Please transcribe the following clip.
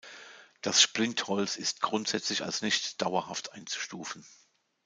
Das Splintholz ist grundsätzlich als nicht dauerhaft einzustufen.